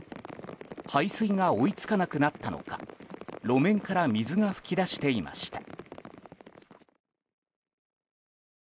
排水が追い付かなくなったのか路面から水が噴き出していました。